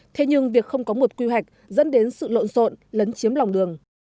thế nhưng việc không có một quy hoạch dẫn đến sự lộn rộn lấn chiếm lòng đường